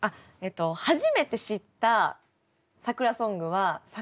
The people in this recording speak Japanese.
初めて知った桜ソングは「桜坂」です。